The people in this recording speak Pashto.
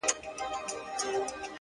هو په همزولو کي له ټولو څخه پاس يمه ـ